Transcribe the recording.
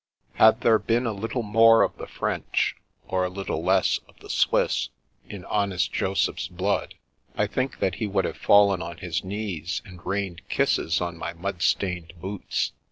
'' Had there been a little more of the French, or a little less of the Swiss, in honest Joseph's blood, I think that he would have fallen on his knees and rained kisses on my mud stained boots.